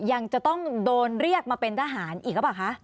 ยังจะต้องโดนเรียกมาเป็นทหารอีกหรือเปล่าคะ